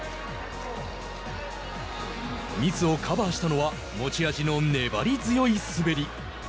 ミスをカバーしたのは持ち味の粘り強い滑り。